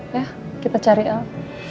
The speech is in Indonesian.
ya kita cari al